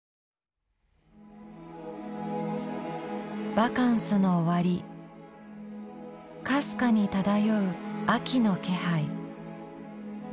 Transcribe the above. バカンスの終わりかすかに漂う秋の気配。